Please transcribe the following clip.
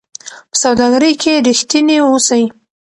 په سوداګرۍ کې رښتیني اوسئ.